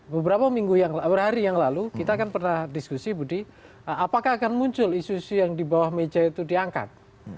beberapa hari yang lalu kita kan pernah diskusi budi apakah akan muncul isu isu yang di bawah meja itu diangkat